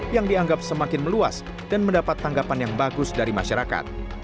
yang dianggap semakin meluas dan mendapat tanggapan yang bagus dari masyarakat